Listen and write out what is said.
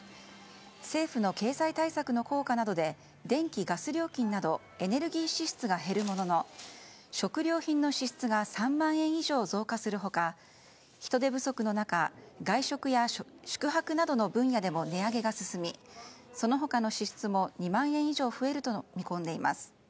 政府の経済対策の効果などで電気・ガス料金などエネルギー支出が減るものの食料品の支出が３万円以上増加する他人手不足の中外食や宿泊などの分野でも値上げが進みその他の支出も２万円以上増えると見込んでいます。